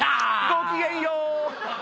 ごきげんよう。